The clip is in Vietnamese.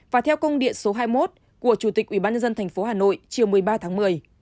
và theo công điện số hai mươi một của chủ tịch ubnd tp hà nội chiều một mươi ba tháng một mươi